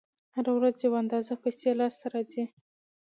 هره ورځ یوه اندازه پیسې لاس ته راځي